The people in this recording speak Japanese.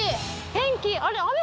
天気あれ？